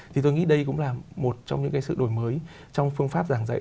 thì tôi nghĩ đây cũng là một trong những cái sự đổi mới trong phương pháp giảng dạy